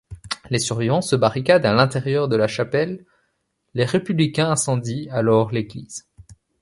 Les survivants se barricadent à l'intérieur de la chapelle, les Républicains incendient alors l'église.